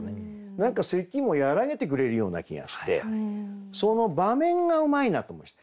何か咳も和らげてくれるような気がしてその場面がうまいなと思いました。